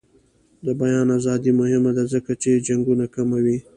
د بیان ازادي مهمه ده ځکه چې جنګونه کموي.